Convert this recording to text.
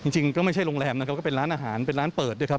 จริงก็ไม่ใช่โรงแรมนะครับก็เป็นร้านอาหารเป็นร้านเปิดด้วยครับ